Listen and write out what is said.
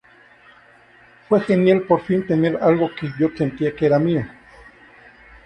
Fue genial por fin tener algo que yo sentía que era mío".